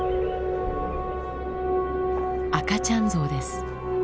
赤ちゃんゾウです。